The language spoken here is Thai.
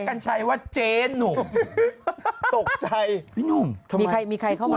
กัญชัยว่าเจ๊หนุ่มตกใจพี่หนุ่มทำไมมีใครมีใครเข้ามา